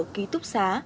ký túc xá